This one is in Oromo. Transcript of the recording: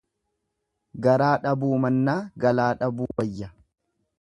Garaa dhabuu mannaa galaa dhabuu wayya.